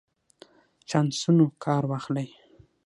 چانسونو کار واخلئ.